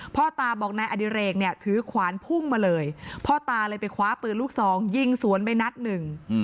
พ่อตาบอกนายอดิเรกเนี่ยถือขวานพุ่งมาเลยพ่อตาเลยไปคว้าปืนลูกซองยิงสวนไปนัดหนึ่ง